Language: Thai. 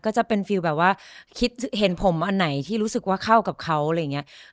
ก็จะเป็นฟิลแบบว่าคิดเห็นผมอันไหนที่รู้สึกว่าเข้ากับเขาอะไรอย่างนี้